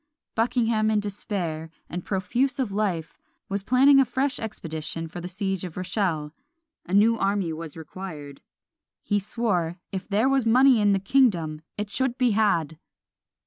Buckingham in despair, and profuse of life, was planning a fresh expedition for the siege of Rochelle; a new army was required. He swore, "if there was money in the kingdom it should be had!"